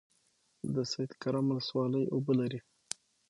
د سید کرم ولسوالۍ اوبه لري